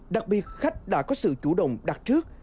đặc biệt khách đã có sự chủ động đặt trước